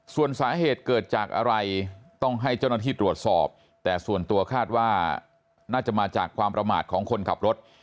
ส่วนสาเหตุเกิดจากอะไรต้องให้เจ้าหน้าที่ตรวจสอบแต่ส่วนตัวคาดว่าน่าจะมาจากความประมาทของคนขับรถ